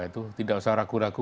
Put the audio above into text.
tidak usah ragu ragu